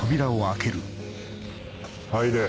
入れ。